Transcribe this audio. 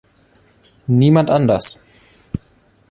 Niemand anders!